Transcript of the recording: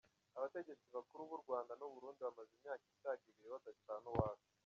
Abategetsi bakuru b’u Rwanda n’u Burundi bamaze imyaka isaga ibiri badacana uwaka.